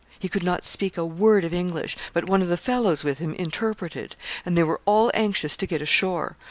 He could not speak a word of English, but one of the fellows with him interpreted, and they were all anxious to get ashore.